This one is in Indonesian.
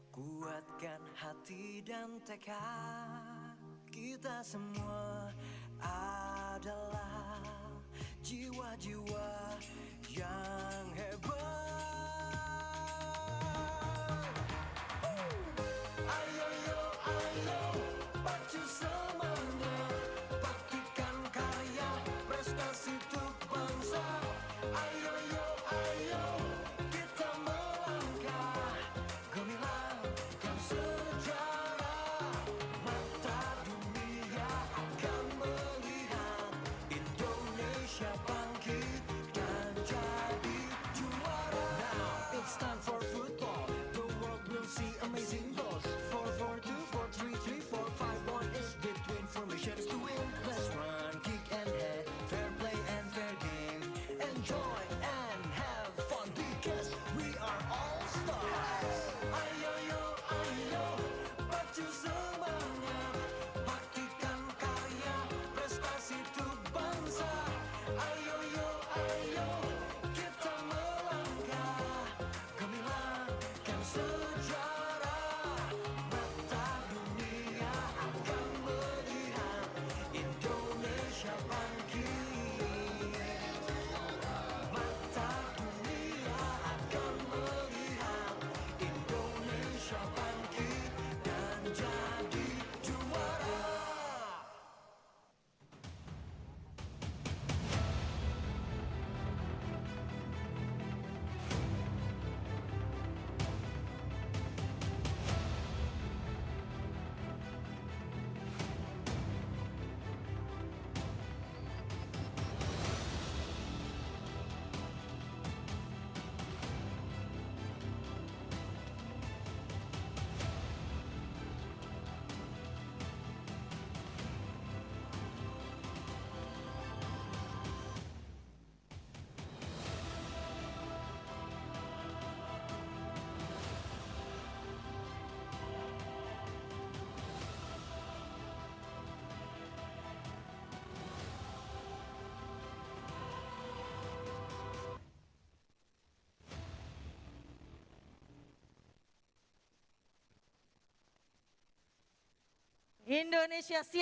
pon ke sembilan di kota bandung